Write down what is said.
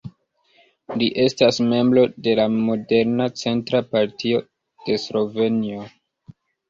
Li estas membro de la moderna centra partio de Slovenio.